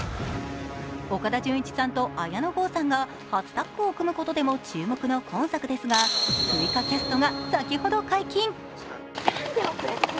岡田准一さんと綾野剛さんが初タッグを組むことでも注目の今作ですが、追加キャストが先ほど解禁。